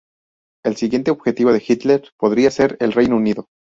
El siguiente objetivo de Hitler podría ser el Reino Unido.